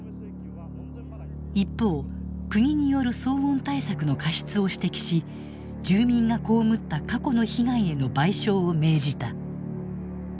一方国による騒音対策の過失を指摘し住民が被った過去の被害への賠償を命じた。